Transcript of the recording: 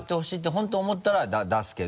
本当に思ったら出すけど。